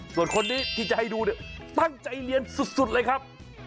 ส่วนคนนี้ที่จะให้ดูเนี่ยตั้งใจเรียนสุดเลยครับ